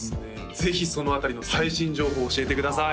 ぜひその辺りの最新情報を教えてください